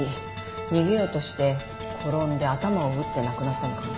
逃げようとして転んで頭を打って亡くなったのかも。